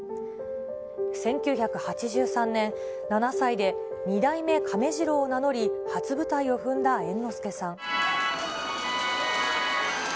１９８３年、７歳で二代目亀治郎を名乗り、初舞台を踏んだ猿之助さん。